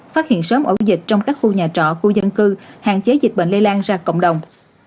phát hiện sớm ổ dịch trong các khu nhà trọ khu dân cư hạn chế dịch bệnh lây lan ra cộng đồng